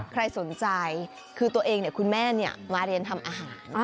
ใครสนใจคือตัวเองคุณแม่มาเรียนทำอาหาร